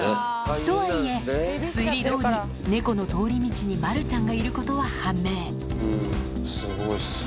とはいえ推理どおり猫の通り道にまるちゃんがいることは判明すごいですね。